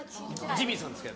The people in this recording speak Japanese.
ジミーさんですか？